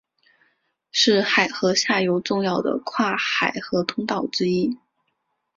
是海河下游重要的跨海河通道之一。